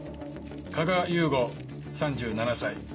加賀雄吾３７歳。